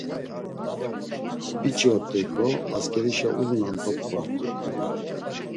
Biç̌i ort̆eyǩo asǩerişa ulunan dop̌t̆ǩvart̆u.